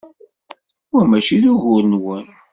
Wa mačči d ugur-nwen.